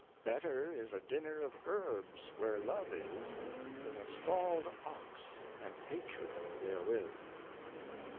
'' Better is a dinner of herbs where love is, than a stalled ox and hatred therewith."